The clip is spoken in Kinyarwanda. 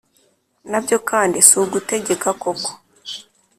na byo kandi si ugutegeka koko